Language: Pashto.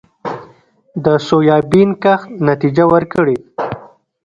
د سویابین کښت نتیجه ورکړې